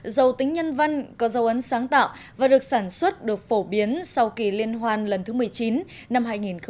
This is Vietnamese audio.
giàu tính nhân văn có dấu ấn sáng tạo và được sản xuất được phổ biến sau kỳ liên hoan lần thứ một mươi chín năm hai nghìn một mươi tám